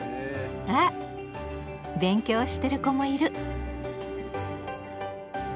あ勉強してる子もいる！